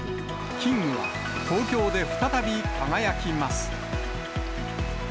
キングは東京で再び輝きます。